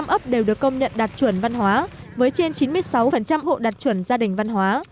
một mươi ấp đều được công nhận đạt chuẩn văn hóa với trên chín mươi sáu hộ đạt chuẩn gia đình văn hóa